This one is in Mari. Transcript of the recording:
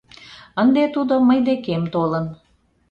Ынде тудо мый декем толын.